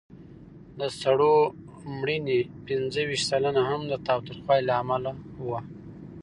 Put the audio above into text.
د سړو د مړینې پینځهویشت سلنه هم د تاوتریخوالي له امله وه.